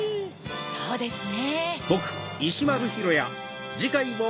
そうですね。